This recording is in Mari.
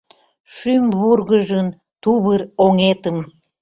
Шӱм вургыжын, тувыр оҥетым